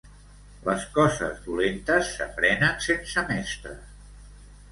Les coses dolentes s'aprenen sense mestre.